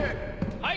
はい。